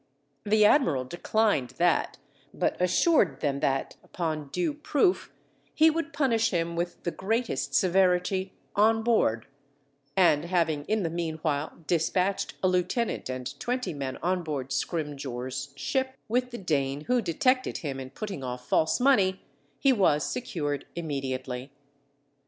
The admiral declined that, but assured them that, upon due proof, he would punish him with the greatest severity on board; and having in the meanwhile dispatched a lieutenant and twenty men on board Scrimgeour's ship, with the Dane who detected him in putting off false money, he was secured immediately.